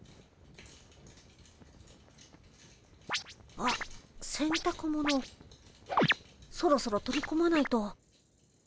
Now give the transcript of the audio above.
あっせんたくものそろそろ取り込まないと。